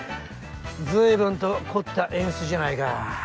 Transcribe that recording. ずいぶんと凝った演出じゃないか。